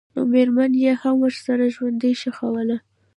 نومېرمن یې هم ورسره ژوندۍ ښخوله.